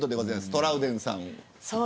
トラウデンさん。